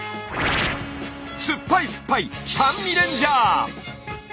酸っぱい酸っぱい酸味レンジャー！